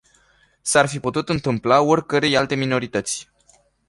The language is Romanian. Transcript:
S-ar fi putut întâmpla oricărei alte minorități.